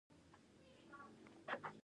غوږ له شل تر شل زره هیرټز اوري.